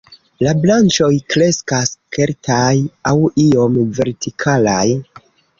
La branĉoj kreskas rektaj aŭ iom vertikalaj.